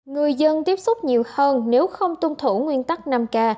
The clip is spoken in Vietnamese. người dân tiếp xúc nhiều hơn nếu không tuân thủ nguyên tắc năm k